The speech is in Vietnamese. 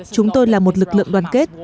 chúng tôi là một lực lượng đoàn kết